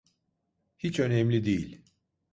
Hiç önemli değil.